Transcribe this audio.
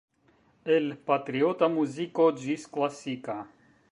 El patriota muziko ĝis klasika.